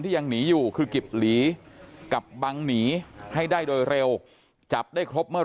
ยังหนีอยู่คือกิบหลีกับบังหนีให้ได้โดยเร็วจับได้ครบเมื่อ